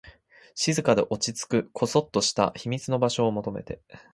静かで、落ち着く、こそっとした秘密の場所を求めて